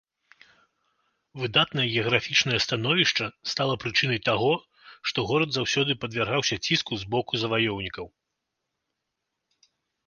Выдатнае геаграфічнае становішча стала прычынай таго, што горад заўсёды падвяргаўся ціску з боку заваёўнікаў.